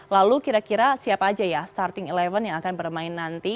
lalu kira kira siapa aja ya starting eleven yang akan bermain nanti